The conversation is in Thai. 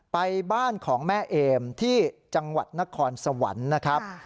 ไปบ้านของแม่เอมที่จังหวัดนครสวรรค์นะครับ